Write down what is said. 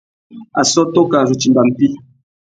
Assôtô kā zu timba mpí.